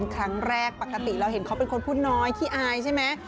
ครั้งแรกปกติเราเห็นเขาเป็นคนพูดน้อยขี้อายใช่ไหม